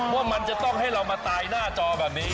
ว่ามันจะต้องให้เรามาตายหน้าจอแบบนี้